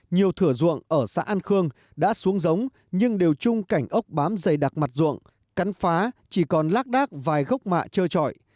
nhiều thửa ruộng ở xã an khương đã xuống giống nhưng đều chung cảnh ốc bám dày đặc mặt ruộng cắn phá chỉ còn lác đác vài gốc mạ trơ trọi